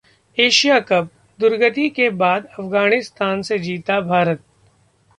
Asia cup 'दुर्गति' के बाद अफगानिस्तान से जीता भारत